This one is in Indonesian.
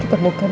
lu udah ngapain